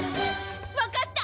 わかった！